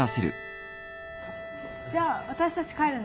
じゃ私たち帰るね。